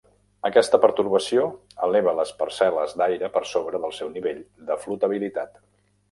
Aquesta pertorbació eleva les parcel·les d'aire per sobre del seu nivell de flotabilitat.